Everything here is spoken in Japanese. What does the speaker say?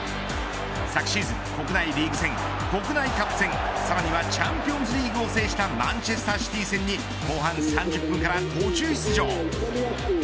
昨シーズン国内リーグ戦、国内カップ戦さらにはチャンピオンズリーグを制したマンチェスター・シティ戦に後半３０分から途中出場。